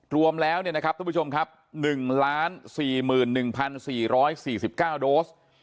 รวมแล้วเนี่ยนะครับท่านผู้ชมครับ๑๐๔๑๔๔๙โดส